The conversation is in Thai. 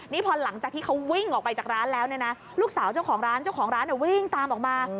นี่พอหลังจากที่เขาวิ่งออกไปจากร้านแล้วเนี่ยนะลูกสาวเจ้าของร้านเจ้าของร้านวิ่งตามออกมา